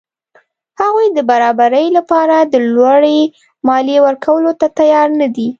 هغوی د برابرۍ له پاره د لوړې مالیې ورکولو ته تیار نه دي.